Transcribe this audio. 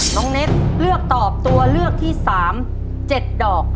เน็ตเลือกตอบตัวเลือกที่๓๗ดอก